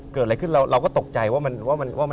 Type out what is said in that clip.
เกิดอะไรขึ้นเราก็ตกใจว่ามันว่า